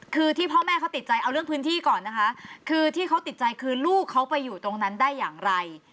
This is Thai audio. คือที่พ่อแม่เขาติดใจเอาเรื่องพื้นที่ก่อนนะคะคือที่เขาติดใจคือลูกเขาไปอยู่ตรงนั้นได้อย่างไร